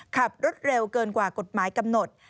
ขับรถเร็วเกินกว่ากฎหมายกำหนด